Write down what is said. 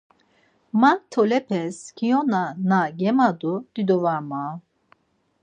Ma tolepes kyona na gemadu dido var mavu.